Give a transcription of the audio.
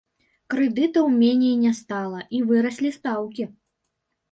Крэдытаў меней не стала і выраслі стаўкі!